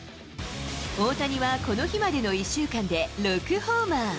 大谷はこの日までの１週間で６ホーマー。